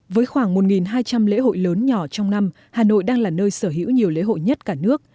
với khoảng một hai trăm linh lễ hội lớn nhỏ trong năm hà nội đang là nơi sở hữu nhiều lễ hội nhất cả nước